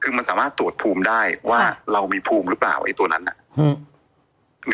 คือมันสามารถตรวจภูมิได้ว่าเรามีภูมิหรือเปล่าไอ้ตัวนั้นน่ะอืม